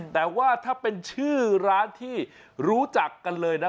แต่ว่าถ้าเป็นชื่อร้านที่รู้จักกันเลยนะ